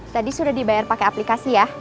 tadi sudah dibayar pakai aplikasi ya